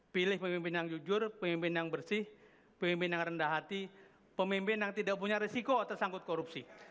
pilih pemimpin yang jujur pemimpin yang bersih pemimpin yang rendah hati pemimpin yang tidak punya risiko atau sangkut korupsi